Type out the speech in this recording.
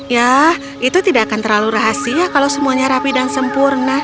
ya itu tidak akan terlalu rahasia kalau semuanya rapi dan sempurna